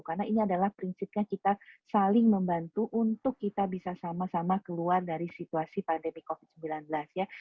karena ini adalah prinsipnya kita saling membantu untuk kita bisa sama sama keluar dari situasi pandemi covid sembilan belas ya